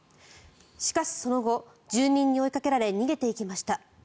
しかし、その後住人に追いかけられ逃げていきました。